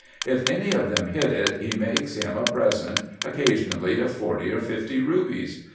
If any of them hit it, he makes him a present, occasionally of forty or fifty rubies.